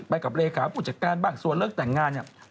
กับเลขาผู้จัดการบ้างส่วนเลิกแต่งงานเนี่ย